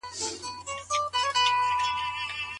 صحابي له رسول الله څخه د کومې ګناه پوښتنه وکړه؟